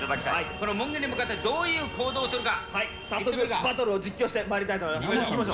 この門限に向かってどういう行動早速、バトルを実況していきたいと思います。